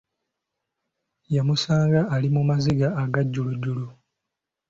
Yamusanga ali mu maziga aga jjulujjulu.